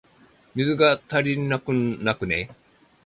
水、足りなくね？